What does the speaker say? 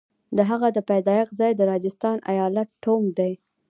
د هغه د پیدایښت ځای د راجستان ایالت ټونک دی.